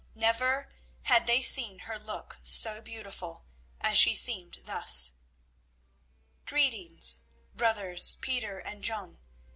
Never had they seen her look so beautiful as she seemed thus. "Greetings, brothers Peter and John.